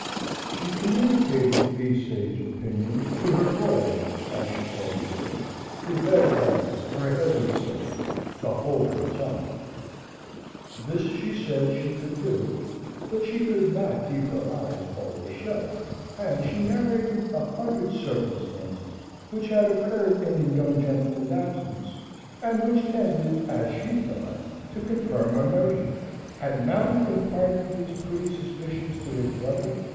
She communicated these sage opinions to her boy, as she called George, who begged her, for Heaven's sake, to hold her tongue. This she said she could do, but she could not keep her eyes always shut; and she narrated a hundred circumstances which had occurred in the young gentleman's absence, and which tended, as she thought, to confirm her notions. Had Mountain imparted these pretty suspicions to his brother?